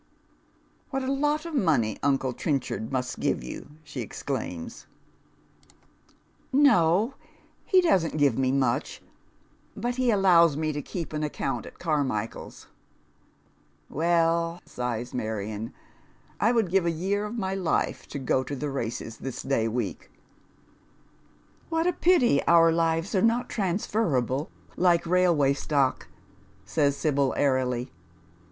" What a lot of money uncle Tieuchard must.give you I " she exclaims. 90 Dead Men's ShoeB. " No, he doesn't give me much, but he allows me to keep &a account at Carmichael's." " Well," si.o lis Marion, " I would give a year of my life to go to the races this day week." " What a pity our lives are not transferable like railway stock," says Sibyi, airily.